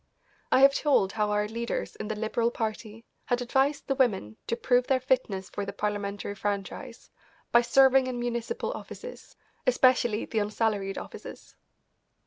I have told how our leaders in the Liberal Party had advised the women to prove their fitness for the Parliamentary franchise by serving in municipal offices, especially the unsalaried offices.